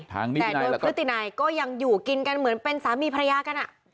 แต่โดยพฤตินัยก็ยังอยู่กินกันเหมือนเป็นสามีภรรยากันอ่ะ